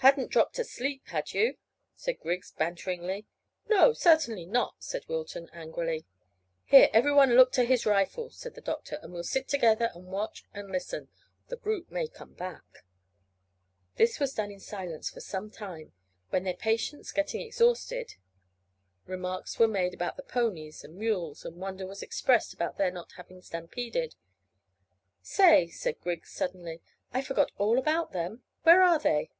"Hadn't dropped asleep, had you?" said Griggs banteringly. "No, certainly not," said Wilton, angrily. "Here, every one look to his rifle," said the doctor, "and we'll sit together and watch and listen. The brute may come back." This was done in silence for some time, when their patience getting exhausted, remarks were made about the ponies and mules, and wonder was expressed about their not having stampeded. "Say," said Griggs suddenly, "I forgot all about them. Where are they?"